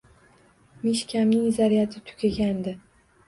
Mishkamning zaryadi tugagandi.